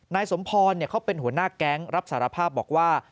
นายสมพรเขาเป็นหัวหน้าแก๊งรับสารภาพบอกว่า